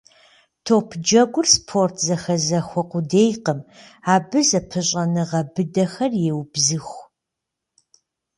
Топджэгур спорт зэхьэзэхуэ къудейкъым, абы зэпыщӏэныгъэ быдэхэр еубзыху.